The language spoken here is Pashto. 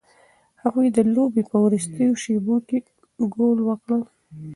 هغوی د لوبې په وروستیو شیبو کې ګول وکړ.